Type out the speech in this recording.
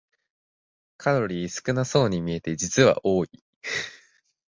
カロリー少なそうに見えて実は多い